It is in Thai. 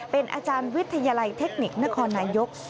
เป็นอาจารย์วิทยาลัยเทคนิคนครนายก